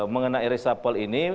mengenai resapel ini